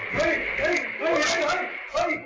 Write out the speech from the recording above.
เฮ้ยเฮ้ยห้อแฮป